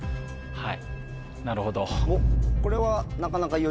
はい。